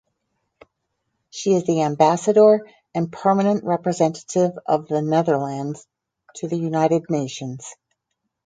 She is the Ambassador and Permanent Representative of The Netherlands to the United Nations.